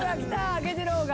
あけ次郎が！